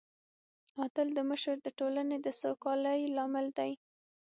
عادل مشر د ټولنې د سوکالۍ لامل دی.